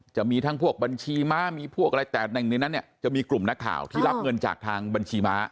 จะมีทั้งพวกบัญชีม้ามีพวกอะไรแต่หนึ่งในนั้นเนี่ยจะมีกลุ่มนักข่าวที่รับเงินจากทางบัญชีม้า